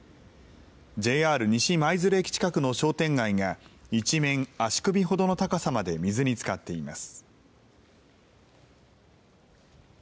ＪＲ西舞鶴駅近くの商店街が一面、足首ほどの高さまで水につかっています。